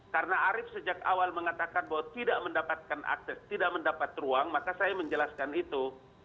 karena arief sejak awal mengatakan bahwa tidak mendapatkan akses tidak mendapat ruang maka saya menjelaskan itu